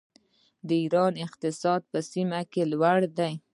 د ایران اقتصاد په سیمه کې لوی دی.